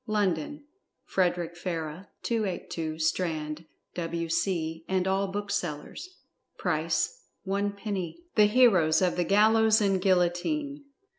LONDON: FREDERICK FARRAH, 282, STRAND, W.C. And all Booksellers. PRICE ONE PENNY. THE HEROES OF THE GALLOWS AND GUILLOTINE.